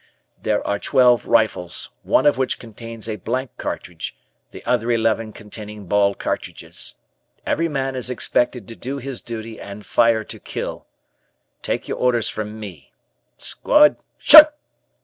"There are twelve rifles, one of which contains a blank cartridge, the other eleven containing ball cartridges. Every man is expected to do his duty and fire to kill. Take your orders from me. Squad 'Shun!"